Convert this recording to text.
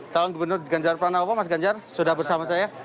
calon gubernur ganjar pranowo mas ganjar sudah bersama saya